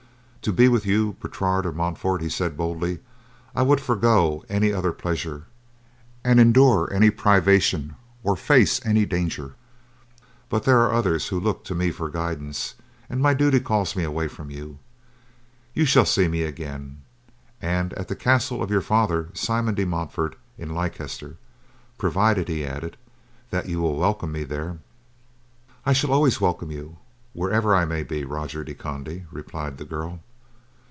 "To be with you, Bertrade of Montfort," he said boldly, "I would forego any other pleasure, and endure any privation, or face any danger, but there are others who look to me for guidance and my duty calls me away from you. You shall see me again, and at the castle of your father, Simon de Montfort, in Leicester. Provided," he added, "that you will welcome me there." "I shall always welcome you, wherever I may be, Roger de Conde," replied the girl.